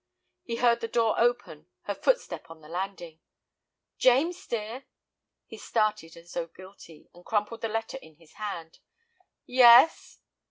He heard the door open, her footstep on the landing. "James, dear." He started as though guilty, and crumpled the letter in his hand. "Yes."